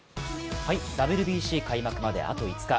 ＷＢＣ開幕まであと５日。